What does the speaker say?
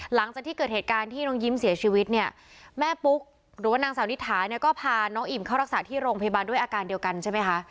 หลังจากที่เกิดเหตุการณ์ที่น้องยิ้มเสียชีวิตเนี่ยแม่ปุ๊กหรือว่านางสาวนิถาเนี่ยก็พาน้องอิ่มเข้ารักษาที่โรงพยาบาลด้วยอาการเดียวกันใช่ไหมคะ